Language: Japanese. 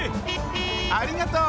ありがとう！